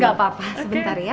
gak apa apa sebentar ya